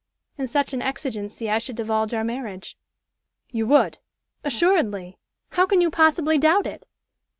"In such an exigency I should divulge our marriage." "You would?" "Assuredly! How can you possibly doubt it?